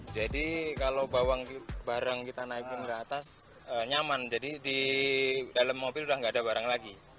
jadi kalau barang kita naikin ke atas nyaman jadi di dalam mobil udah gak ada barang lagi